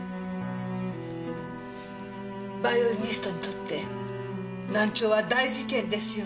バイオリニストにとって難聴は大事件ですよね？